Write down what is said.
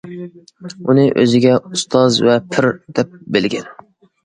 ئۈنى ئۆزىگە «ئۇستاز ۋە پىر» دەپ بىلگەن.